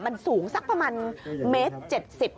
มันสูงสักประมาณเมตรเจ็ดสิบ